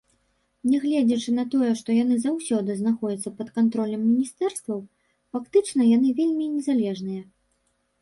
Нягледзячы на тое, што яны заўсёды знаходзяцца пад кантролем міністэрстваў, фактычна яны вельмі незалежныя.